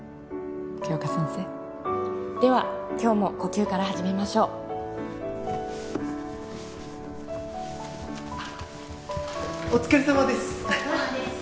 杏花先生では今日も呼吸から始めましょうあっお疲れさまですお疲れさまです